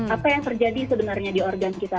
apa yang terjadi sebenarnya di organ kita